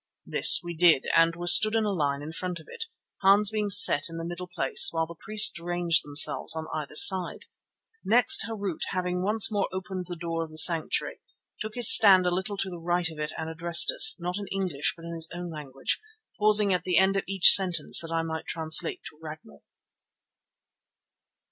This we did, and were stood in a line in front of it, Hans being set in the middle place, while the priests ranged themselves on either side. Next Harût, having once more opened the door of the sanctuary, took his stand a little to the right of it and addressed us, not in English but in his own language, pausing at the end of each sentence that I might translate to Ragnall.